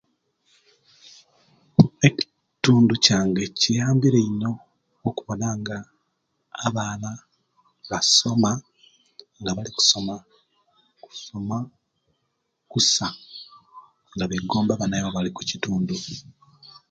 Ekitundu kiyange kuyambire ino okubona nga abaana basoma nga balikusoma okusoma kusa nga negomba abanaye abali kukitundu